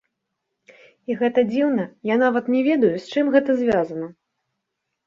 І гэта дзіўна, я нават не ведаю, з чым гэта звязана.